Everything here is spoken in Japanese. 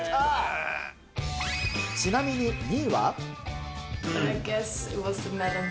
ちなみに、２位は？